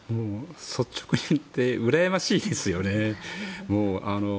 率直に言ってうらやましいですよね。